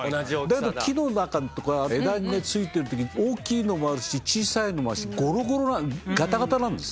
だけど木の中とか枝についてる時大きいのもあるし小さいのもあるしゴロゴロガタガタなんです。